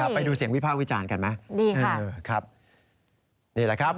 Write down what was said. ไปดูเสียงวิพาพวิจารณากัน